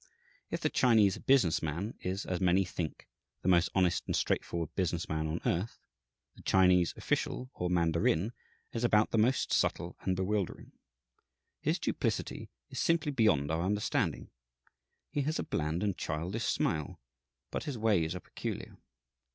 If the Chinese business man is, as many think, the most honest and straightforward business man on earth, the Chinese official, or mandarin, is about the most subtle and bewildering. His duplicity is simply beyond our understanding. He has a bland and childish smile, but his ways are peculiar.